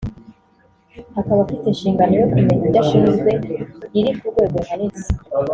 Akaba afite inshingano yo kumenya ibyo ashinzwe iri ku rwego ruhanitse